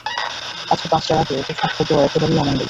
আজকে পাঁচটার আগে তো স্বাক্ষর দেয়া একেবারেই অমঙ্গল।